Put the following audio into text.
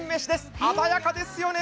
鮮やかですよね。